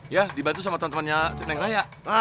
ya dibantu sama temen temennya si raya